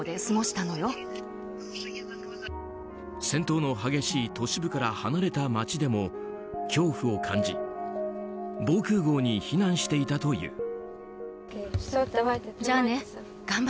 戦闘の激しい都市部から離れた街でも恐怖を感じ防空壕に避難していたという。